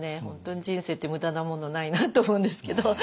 本当に人生って無駄なものないなと思うんですけど。